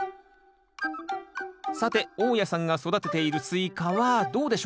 さて大家さんが育てているスイカはどうでしょうか？